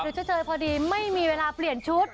รอดอลชดเชยพอดีไม่มีเวลาเปลี่ยนชุด